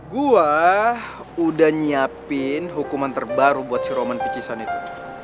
gue udah nyiapin hukuman terbaru buat si roman picisan itu